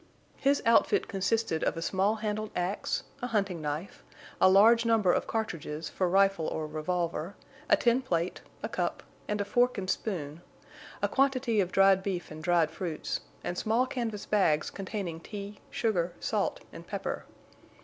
His outfit consisted of a small handled axe, a hunting knife, a large number of cartridges for rifle or revolver, a tin plate, a cup, and a fork and spoon, a quantity of dried beef and dried fruits, and small canvas bags containing tea, sugar, salt, and pepper.